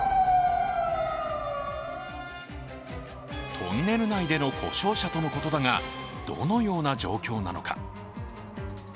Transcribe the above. トンネル内での故障車とのことだが、どのような状況なのか。